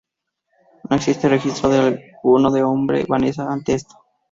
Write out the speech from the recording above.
No existe registro alguno del nombre Vanessa antes de esto.